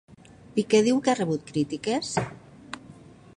Piqué diu que ha rebut crítiques?